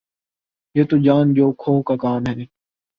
یہ تو جان جوکھوں کا کام ہے